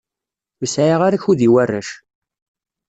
Ur sɛiɣ ara akud i warrac.